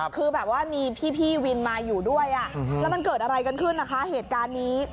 คือแบบว่ามีพี่วินมาอยู่ด้วยแล้วมันเกิดอะไรกันขึ้นนะคะเหตุการณ์นี้